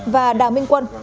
và đào minh quân